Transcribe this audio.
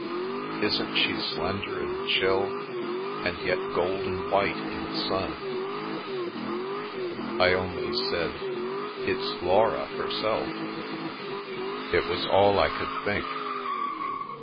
Isn't she slender and chill, and yet golden white in the sun ?" I only said, " It's Laura herself." It was all I could think.